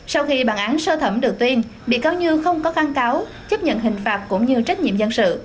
sau khi bản án sơ thẩm được tuyên bị cáo như không có kháng cáo chấp nhận hình phạt cũng như trách nhiệm dân sự